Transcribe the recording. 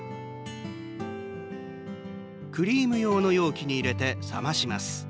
クリーム用の容器に入れて冷まします。